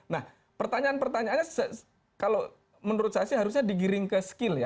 nah pertanyaan pertanyaannya kalau menurut saya sih harusnya digiring ke skill ya